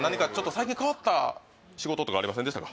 最近変わった仕事とかありませんでしたか？